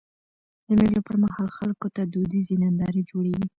د مېلو پر مهال خلکو ته دودیزي نندارې جوړيږي.